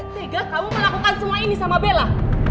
sehingga kamu melakukan semua ini sama bella